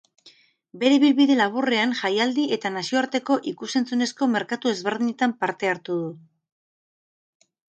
Bere ibilbide laburrean jaialdi eta nazioarteko ikus-entzunezko merkatu ezberdinetan parte hartu du.